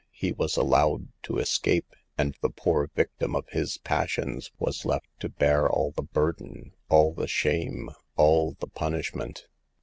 He was allowed to escape, and the poor victim of his passions was left to bear all the burden, all the shame, all the punishment.